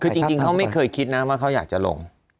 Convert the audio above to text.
คือจริงเขาไม่เคยคิดนะว่าเขาอยากจะลง